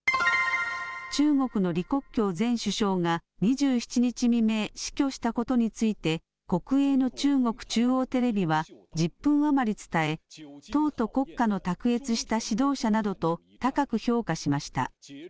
中国の李克強前首相が２７日未明、死去したことについて、国営の中国中央テレビは１０分余り伝え、党と国家の卓越した指導者などと高く評価しました。